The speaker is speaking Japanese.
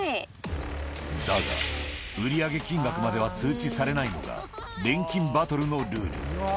だが、売り上げ金額までは通知されないのが、錬金バトルのルール。